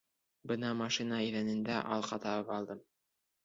Бына машина иҙәнендә алҡа табып алдым.